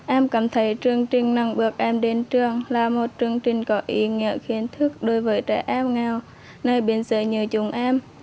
em cảm thấy chương trình năng bước em đến trường là một chương trình có ý nghĩa khiến thức đối với trẻ em nghèo nơi biên giới như chúng em